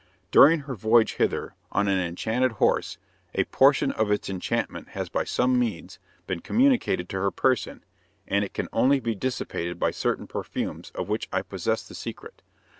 During her voyage hither on an enchanted horse, a portion of its enchantment has by some means been communicated to her person, and it can only be dissipated by certain perfumes of which I possess the secret.